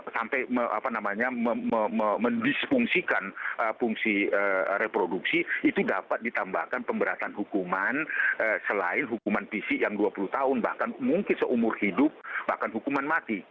sampai mendisfungsikan fungsi reproduksi itu dapat ditambahkan pemberatan hukuman selain hukuman fisik yang dua puluh tahun bahkan mungkin seumur hidup bahkan hukuman mati